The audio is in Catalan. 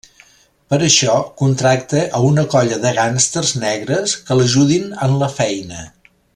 Per a això contracta a una colla de gàngsters negres que l'ajudin en la feina.